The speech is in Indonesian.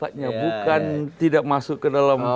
bukan tidak masuk ke dalam